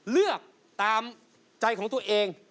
เลือกตามใจของตัวเอง